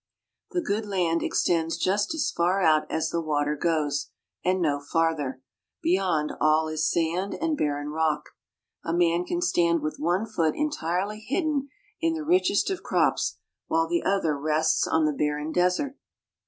The good land extends just as far out as the water goes, and no farther. Beyond, all is sand and barren rock. A man can stand with one foot entirely hidden in the richest of crops, while the other rests on the barren desert.